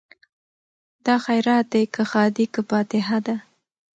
دا خیرات دی که ښادي که فاتحه ده